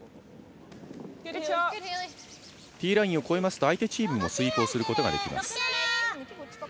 ティーラインを越えますと相手チームもスイープをできます。